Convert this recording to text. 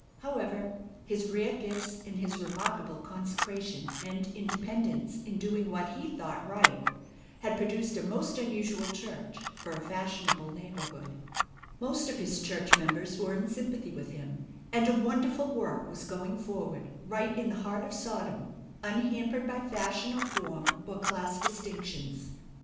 However, his rare gifts, and his remarkable consecration and independence in doing what he thought right, had produced a most unusual church for a fashionable neighborhood. Most of his church members were in sympathy with him, and a wonderful work was going forward right in the heart of Sodom, unhampered by fashion or form or class distinctions.